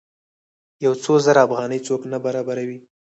یو څو زره افغانۍ څوک نه برابروي.